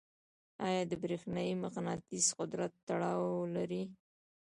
آیا د برېښنايي مقناطیس قدرت تړاو لري؟